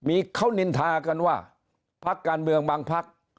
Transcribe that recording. มีเขานินทากันว่าพักการเมืองบางพัก